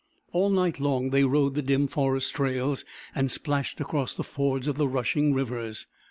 All night long they rode the dim forest trails and splashed across the fords of the rushing rivers.